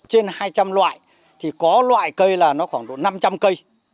trên hai trăm linh loại thì có loại cây là nó khoảng độ năm trăm linh cây